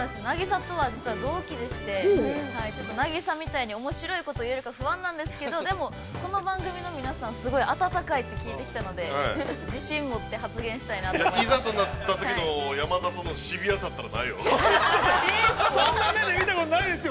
◆凪咲とは、実は同期でして、ちょっと凪咲みたいに、おもしろいこと言えるか不安なんですけど、この番組の皆さん、温かいと聞いてきたので、自信持って発言したいなと思います。